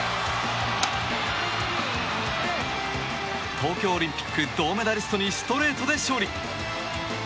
東京オリンピック銅メダリストにストレートで勝利。